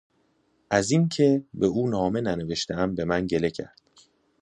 از اینکه به او نامه ننوشتهام به من گله کرد.